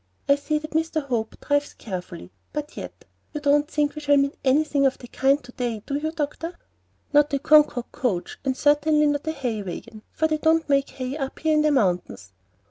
I see that Dr. Hope drives carefully, but yet You don't think we shall meet anything of the kind to day, do you, Doctor?" "Not a Concord coach, and certainly not a hay wagon, for they don't make hay up here in the mountains."